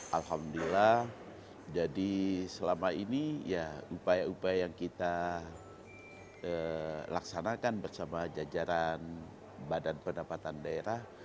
alhamdulillah jadi selama ini ya upaya upaya yang kita laksanakan bersama jajaran badan pendapatan daerah